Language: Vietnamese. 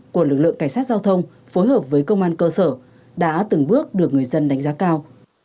của lực lượng cảnh sát giao thông phối hợp với công an cơ sở đã từng bước được người dân đánh giá cao